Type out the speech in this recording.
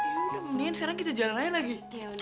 udah mendingan sekarang kita jalan lagi